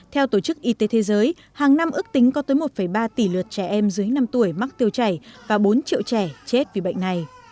theo tổ chức y tế thế giới hàng năm ước tính có tới một ba tỷ lượt trẻ em dưới năm tuổi mắc tiêu chảy và bốn triệu trẻ chết vì bệnh này